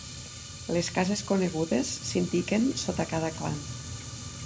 Les cases conegudes s'indiquen sota cada clan.